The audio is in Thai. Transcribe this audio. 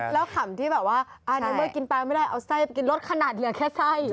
แล้วขำที่แบบว่าน้องเบอร์กินไปไม่ได้เอาไส้กินลดขนาดเหลือแค่ไส้